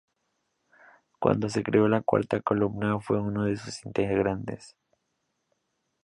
Cuando se creó la Cuarta Columna fue uno de sus integrantes.